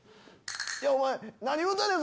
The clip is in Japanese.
お前何言うてんねん？